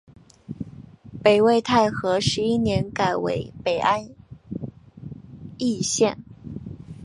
北魏太和十一年改为北安邑县。